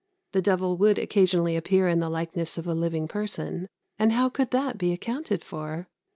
The devil would occasionally appear in the likeness of a living person; and how could that be accounted for?